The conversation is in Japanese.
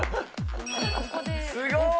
すごーい。